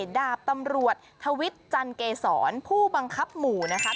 ดาบตำรวจทวิทย์จันเกษรผู้บังคับหมู่นะคะ